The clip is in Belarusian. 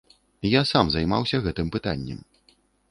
Я сам займаўся гэтым пытаннем.